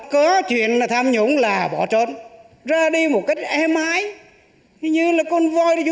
có chuyện tham nhũng là bỏ trốn